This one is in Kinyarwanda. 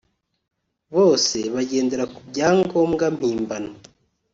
bose bagendera ku byangombwa mpimbano